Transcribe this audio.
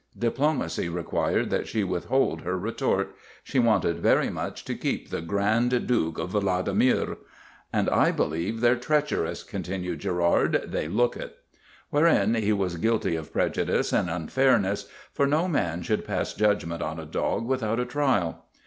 Diplomacy required that she withhold her retort. She wanted very much to keep the Grand Duke Vladimir. " And I believe they 're treacherous," continued Girard. " They look it." Wherein he was guilty of prejudice and unfairness, for no man should pass judgment on a dog without a trial.